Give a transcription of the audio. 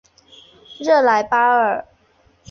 热莱巴尔。